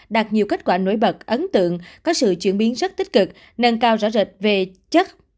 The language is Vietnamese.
đạt nhiều kết quả nổi bật ấn tượng có sự chuyển biến rất tích cực nâng cao rõ rệt về chất